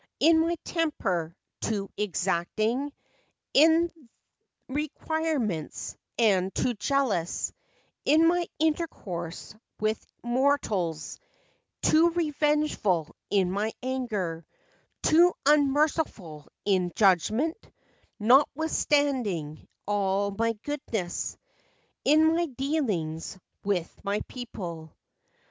107 In my temper; too exacting In requirements, and too jealous In my intercourse with mortals; Too revengeful in my anger, Too unmerciful in judgment, Notwithstanding all my goodness, In my dealings with my people.